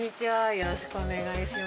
よろしくお願いします。